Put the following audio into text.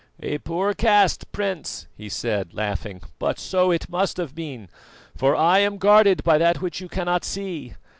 "A poor cast, Prince," he said laughing; "but so it must have been, for I am guarded by that which you cannot see.